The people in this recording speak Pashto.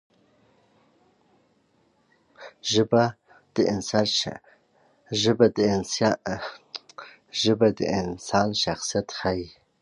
ژبه د انسان شخصیت ښيي.